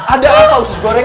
ada apa usus goreng